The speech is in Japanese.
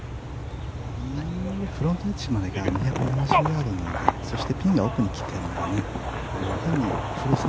フロントエッジまでが２７０ヤードなのでそしてピンが奥に来ているので。